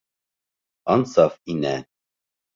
Ансаф инә.